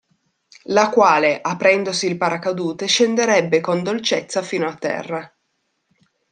La quale, aprendosi il paracadute scenderebbe con dolcezza fino a terra.